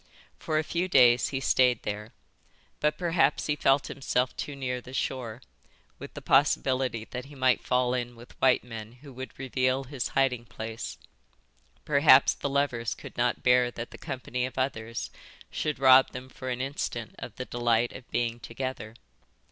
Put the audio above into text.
For a few days he stayed there. But perhaps he felt himself too near the shore, with the possibility that he might fall in with white men who would reveal his hiding place; perhaps the lovers could not bear that the company of others should rob them for an instant of the delight of being together.